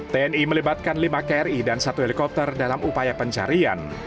tni melibatkan lima kri dan satu helikopter dalam upaya pencarian